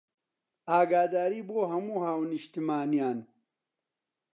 ئاگاداری بۆ هەموو هاونیشتمانیان